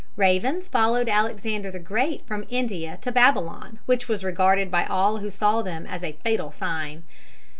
Ravens followed Alexander the Great from India to Babylon, which was regarded by all who saw them as a fatal sign.